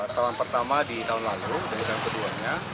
tahun pertama di tahun lalu di tahun ke dua nya